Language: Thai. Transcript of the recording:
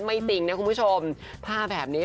ไม่ติงนะคุณผู้ชมผ้าแบบนี้